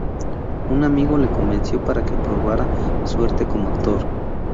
Un amigo le convenció para que probara suerte como actor.